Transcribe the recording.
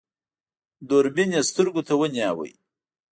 دوربين يې سترګو ته ونيو.